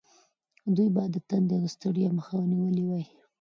دوی باید د تندې او ستړیا مخه نیولې وای.